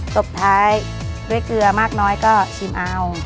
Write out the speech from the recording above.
ตบท้ายด้วยเกลือมากน้อยก็ชิมเอา